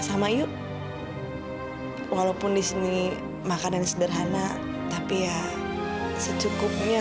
sampai jumpa di video selanjutnya